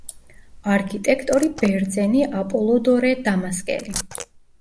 არქიტექტორი ბერძენი აპოლოდორე დამასკელი.